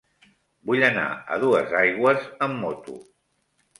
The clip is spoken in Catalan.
Vull anar a Duesaigües amb moto.